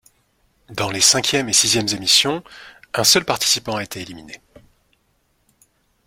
Dans les cinquième et sixième émissions, un seul participant a été éliminé.